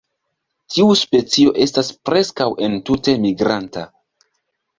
Tiu specio estas preskaŭ entute migranta.